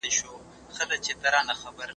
تاریخي څېړني په څرګند ډول ښيي، چي دا ډول